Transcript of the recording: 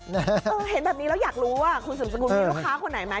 เห็นแบบนี้แล้วอยากรู้ว่าคุณสุดสกุลมีลูกค้าคนไหนไหม